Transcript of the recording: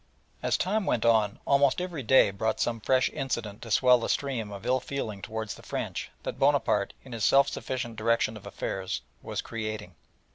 As time went on almost every day brought some fresh incident to swell the stream of ill feeling towards the French that Bonaparte, in his self sufficient direction of affairs, was creating.